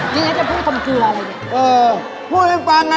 ถ้าจำเป็นผู้คำคืออะไร